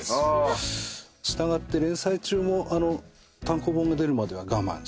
従って連載中もあの単行本が出るまでは我慢して。